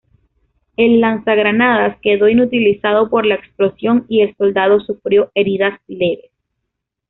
El lanzagranadas quedó inutilizado por la explosión y el soldado sufrió heridas leves.